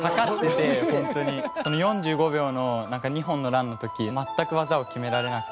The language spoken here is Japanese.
４５秒の２本のランの時全く技を決められなくて。